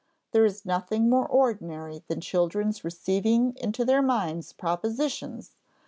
There is nothing more ordinary than children's receiving into their minds propositions